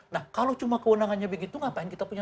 nah kalau cuma kewenangannya begitu ngapain kita punya